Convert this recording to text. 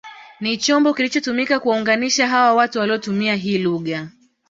Ni chombo kilichotumika kuwaunganisha hawa watu waliotumia hii lugha